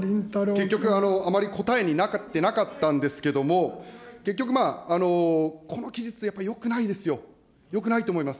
結局、あまり答えになってなかったんですけれども、結局、この記述、やっぱりよくないですよ、よくないと思います。